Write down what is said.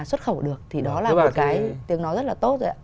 xuất khẩu được thì đó là một cái tiếng nói rất là tốt rồi ạ